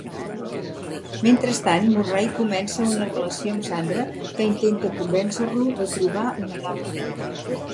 Mentrestant, Murray comença una relació amb Sandra que intenta convèncer-lo de trobar una nova feina.